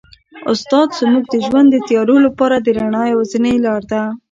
استاد زموږ د ژوند د تیارو لپاره د رڼا یوازینۍ لاره ده.